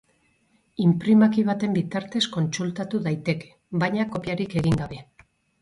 Inprimaki baten bitartez kontsultatu daiteke, baina kopiarik egin gabe.